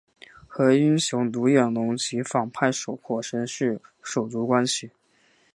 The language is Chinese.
和英雄独眼龙及反派火神是手足关系。